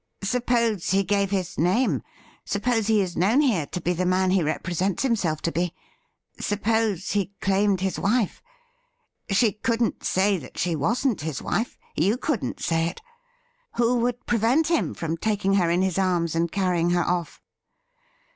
Suppose he gave his name ; suppose he is known here to be the man he represents himself to be ; suppose he claimed his wife. She couldn't 278 THE RIDDLE RING say that she wasn't his wife ; you couldn't say it. Who would prevent him from taking her in his arms and carrying her off